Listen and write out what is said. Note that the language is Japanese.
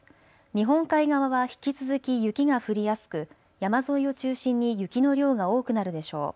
日本海側は引き続き雪が降りやすく、山沿いを中心に雪の量が多くなるでしょう。